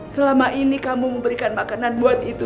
selama ini kamu memberikan makanan buat itu